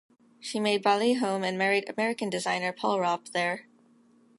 She made Bali home and married American designer Paul Ropp there.